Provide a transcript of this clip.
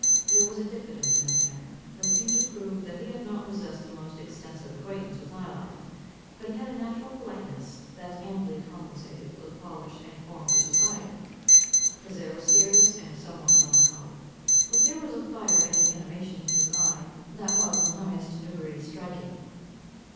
There was a diffidence in his manner, that seemed to prove that he had not possessed the most extensive acquaintance with high life; but he had a natural politeness that amply compensated for the polish and forms of society. His air was serious and somewhat melancholy; but there was a fire and animation in his eye that was in the highest degree striking.